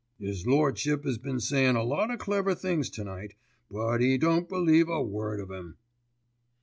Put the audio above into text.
"'Is Lordship 'as been sayin' a lot o' clever things to night; but 'e don't believe a word of 'em."